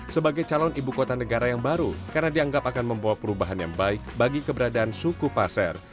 sebagai calon ibu kota negara yang baru karena dianggap akan membawa perubahan yang baik bagi keberadaan suku pasar